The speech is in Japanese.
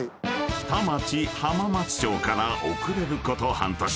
［田町浜松町から遅れること半年］